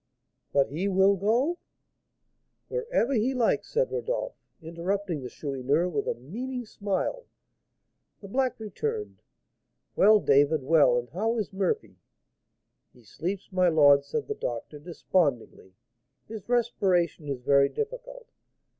"But he will go " "Wherever he likes," said Rodolph, interrupting the Chourineur with a meaning smile. The black returned. "Well, David, well, and how is Murphy?" "He sleeps, my lord," said the doctor, despondingly; "his respiration is very difficult."